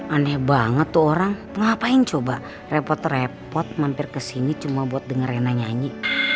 aneh banget tuh orang ngapain coba repot repot mampir ke sini cuma buat denger enak nyanyi